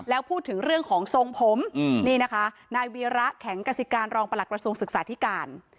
แล้วพูดถึงเรื่องของทรงผมนี่นะคะนายวีระแข็งกสิการรองประหลักกระทรวงศึกษาธิการ